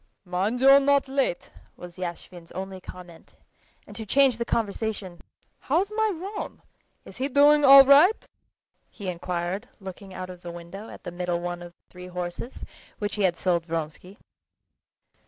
"Mind you're not late!" was Yashvin's only comment; and to change the conversation: "How's my roan? is he doing all right?" he inquired, looking out of the window at the middle one of the three horses, which he had sold Vronsky.